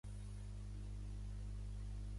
Fa mitja volta amb un taloneig militar i s'allunya.